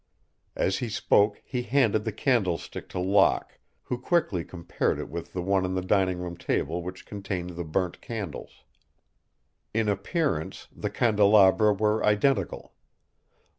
As he spoke he handed the candlestick to Locke, who quickly compared it with the one on the dining room table which contained the burnt candles. In appearance the candelabra were identical.